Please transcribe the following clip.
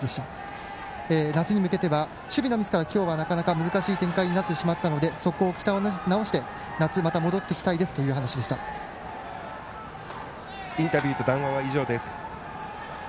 夏に向けては守備のミスから今日は難しい展開になったのでまた鍛え直して夏、また戻ってきたいというインタビュー、談話は以上です。